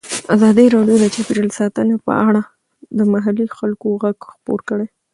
ازادي راډیو د چاپیریال ساتنه په اړه د محلي خلکو غږ خپور کړی.